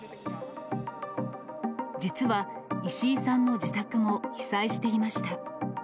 実は、石井さんの自宅も被災していました。